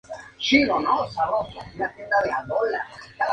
El periódico pertenece a la compañía "New Journal Enterprises".